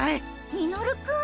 ミノルくん？